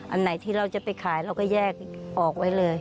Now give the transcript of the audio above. อันไหนที่เราจะไปขายเราก็แยกออกไว้เลย